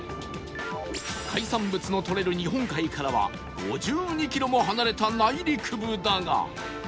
海産物のとれる日本海からは５２キロも離れた内陸部だが